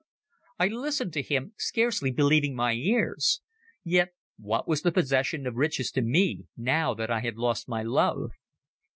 I listened to him, scarcely believing my ears. Yet what was the possession of riches to me, now that I had lost my love?